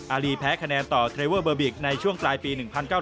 อารีแพ้คะแนนต่อเทรเวอร์เบอร์บิกในช่วงปลายปี๑๙๙